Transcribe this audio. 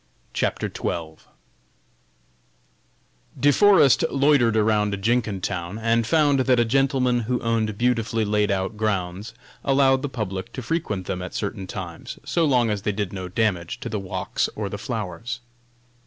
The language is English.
CHAPTER XII. De Forest loitered around Jenkintown, and found that a gentleman who owned beautifully laid out grounds allowed the public to frequent them at certain times, so long as they did no damage to the walks or the flowers.